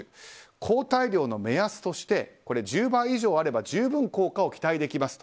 抗体量の目安として１０倍以上あれば十分効果を期待できますと。